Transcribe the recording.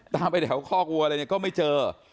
ตามไปแถวข้อกลัวอะไรก็ไม่เจอ